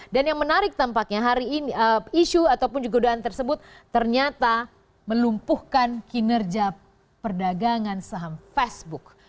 dan yang menarik tampaknya hari ini isu ataupun juga godaan tersebut ternyata melumpuhkan kinerja perdagangan saham facebook